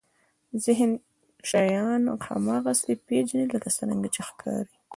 ذهن شیان هماغسې پېژني لکه څرنګه چې ښکاري.